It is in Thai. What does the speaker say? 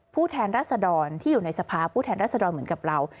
แทนรัศดรที่อยู่ในสภาพผู้แทนรัศดรเหมือนกับเรา